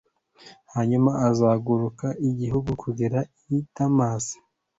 hanyuma azenguruka igihugu kugera i damasi